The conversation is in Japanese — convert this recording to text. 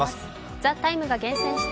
「ＴＨＥＴＩＭＥ，」が厳選した